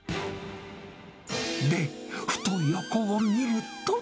で、ふと横を見ると。